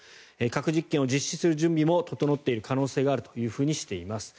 核実験を実施する準備も整っている可能性があるとしています。